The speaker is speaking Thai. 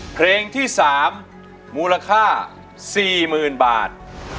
เพลงที่๓มูลค่า๔๐๐๐บาท